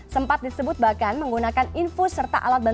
sempat disebut bahkan menggunakan infus serta alat bantu